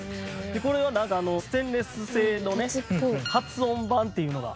これはなんかステンレス製のね発音板っていうのが入ってるんです。